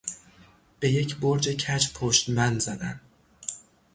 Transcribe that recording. به یک برج کج پشتبند زدن